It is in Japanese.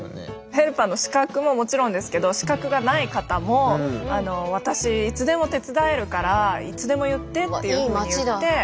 ヘルパーの資格ももちろんですけど資格がない方も「私いつでも手伝えるからいつでも言って」っていうふうに言って。